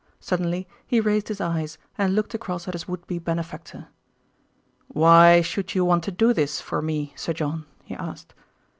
Suddenly he raised his eyes and looked across at his would be benefactor. "Why should you want to do this for me, Sir John?" he asked.